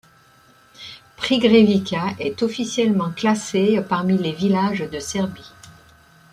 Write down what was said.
Prigrevica est officiellement classée parmi les villages de Serbie.